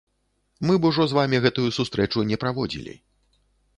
Мы б ужо з вамі гэтую сустрэчу не праводзілі.